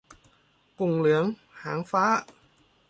กุ้งเหลืองหางฟ้า